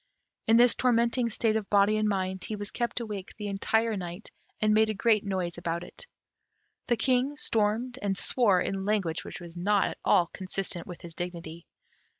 In this tormenting state of body and mind, he was kept awake the entire night, and made a great noise about it. The King stormed and swore in language which was not at all consistent with his dignity.